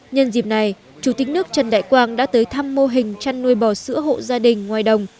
nhân dịp này chủ tịch nước trần đại quang đã tới thăm mô hình chăn nuôi bò sữa hộ gia đình ngoài đồng